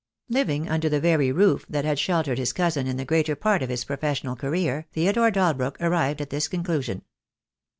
Living under the very roof that had sheltered his cousin in the greater part of his professional career, Theodore Dalbrook arrived at this conclusion.